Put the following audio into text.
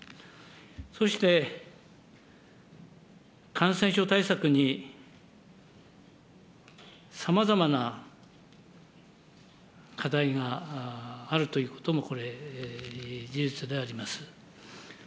そして、感染症対策にさまざまな課題があるということも、これ、事実であります。